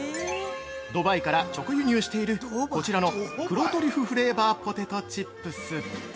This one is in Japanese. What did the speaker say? ドバイから直輸入しているこちらの「黒トリュフフレーバーポテトチップス」◆